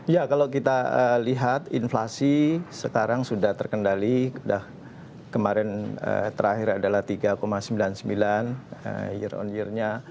ya kalau kita lihat inflasi sekarang sudah terkendali sudah kemarin terakhir adalah tiga sembilan puluh sembilan year on year nya